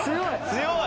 強い！